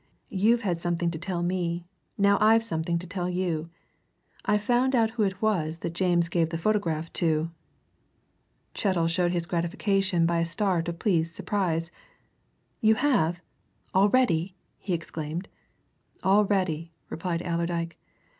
You've had something to tell me now I've something to tell you. I've found out who it was that James gave the photograph to!" Chettle showed his gratification by a start of pleased surprise. "You have already!" he exclaimed. "Already!" replied Allerdyke.